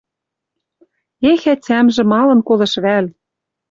Эх, ӓтямжӹ малын колыш вӓл?..» —